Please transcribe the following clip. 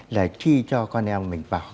là chi cho con em mình vào